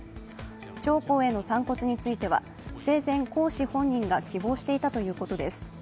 長江への散骨については生前、江氏本人が希望していたということです。